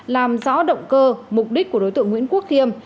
làm rõ động cơ mục đích của đối tượng nguyễn quốc khiêm